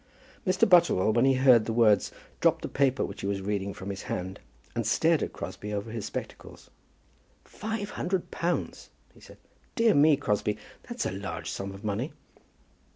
Mr. Butterwell, when he heard the words, dropped the paper which he was reading from his hand, and stared at Crosbie over his spectacles. "Five hundred pounds," he said. "Dear me, Crosbie; that's a large sum of money."